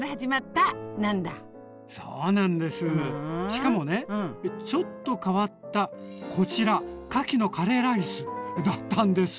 しかもねちょっと変わったこちらかきのカレーライスだったんです。